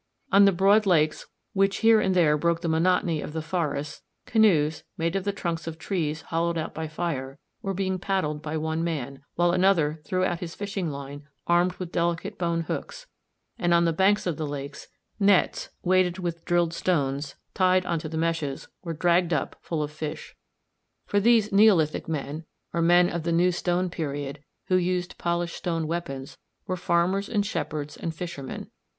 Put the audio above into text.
On the broad lakes which here and there broke the monotony of the forests, canoes, made of the trunks of trees hollowed out by fire, were being paddled by one man, while another threw out his fishing line armed with delicate bone hooks; and on the banks of the lakes, nets weighted with drilled stones tied on to the meshes were dragged up full of fish. For these Neolithic men, or men of the New Stone Period, who used polished stone weapons, were farmers and shepherds and fishermen.